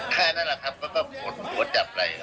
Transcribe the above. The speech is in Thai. แค่นั้นแหละครับเขาก็โหดโหดจับเลย